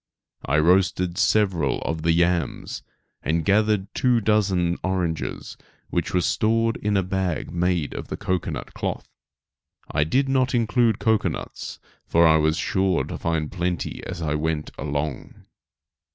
I roasted several of the yams, and gathered two dozen oranges which were stored in a bag made of the cocoanut cloth. I did not include cocoanuts, for I was sure to find plenty as I went along.